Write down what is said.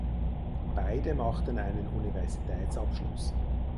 Beide machten einen Universitätsabschluss.